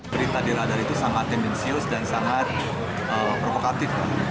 berita di radar itu sangat tendensius dan sangat provokatif